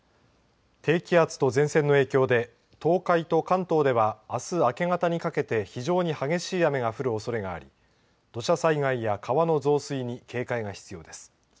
低気圧と前線の影響で東海と関東では、あす明け方にかけて非常に激しい雨が降るおそれがあり土砂災害や川の増水に警戒が必要です。